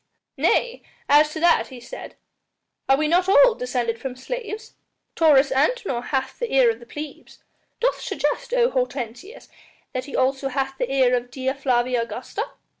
"Nay, as to that," he said, "are we not all descended from slaves? Taurus Antinor hath the ear of the plebs. Doth suggest, O Hortensius, that he also hath the ear of Dea Flavia Augusta?"